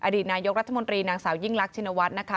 อดีตนายกรัฐมนตรีนางสาวยิ่งรักชินวัฒน์นะคะ